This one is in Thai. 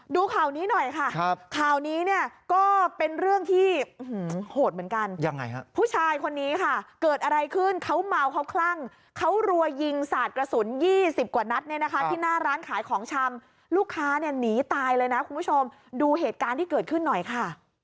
ดูข่าวนี้หน่อยค่ะข่าวนี้เนี่ยก็เป็นเรื่องที่โหดเหมือนกันยังไงฮะผู้ชายคนนี้ค่ะเกิดอะไรขึ้นเขาเมาเขาคลั่งเขารัวยิงสาดกระสุน๒๐กว่านัดเนี่ยนะคะที่หน้าร้านขายของชำลูกค้าเนี่ยหนีตายเลยนะคุณผู้ชมดูเหตุการณ์ที่เกิดขึ้นหน่อยค่ะ